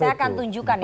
saya akan tunjukkan ya